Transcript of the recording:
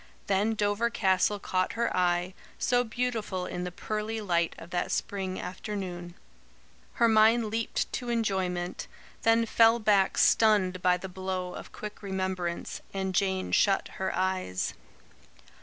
Then Dover Castle caught her eye, so beautiful in the pearly light of that spring afternoon. Her mind leaped to enjoyment, then fell back stunned by the blow of quick remembrance, and Jane shut her eyes.